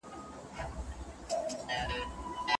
پلار به ورته بل ځای ښودلی وي.